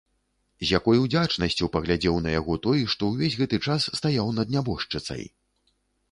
З якой удзячнасцю паглядзеў на яго той, што ўвесь гэты час стаяў над нябожчыцай!